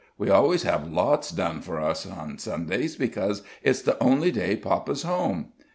We always have lots done for us Sundays, 'cause it's the only day papa's home."